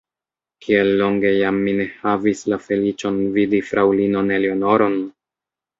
Kiel longe jam mi ne havis la feliĉon vidi fraŭlinon Eleonoron!